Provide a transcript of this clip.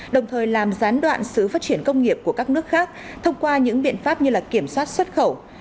đồng thời làm gián đoạn sự phát triển công nghiệp của các nước khác thông qua những biện pháp như kiểm soát xuất khẩu